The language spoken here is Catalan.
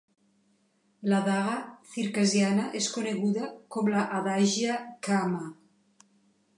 La daga circassiana és coneguda com la "adigha gkama".